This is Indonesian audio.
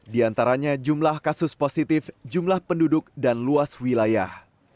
di antaranya jumlah kasus positif jumlah penduduk dan luas wilayah